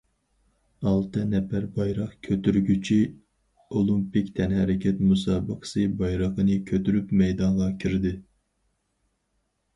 ئالتە نەپەر بايراق كۆتۈرگۈچى ئولىمپىك تەنھەرىكەت مۇسابىقىسى بايرىقىنى كۆتۈرۈپ مەيدانغا كىردى.